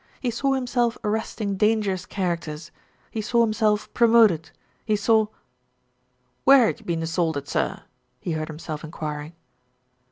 He saw himself arresting dangerous characters, he saw himself promoted. He saw "Where ha' you been assaulted, sir?" he heard him self enquiring.